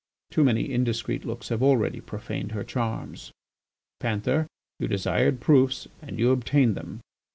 Too many indiscreet looks have already profaned her charms. ... Panther, you desired proofs and you obtained them.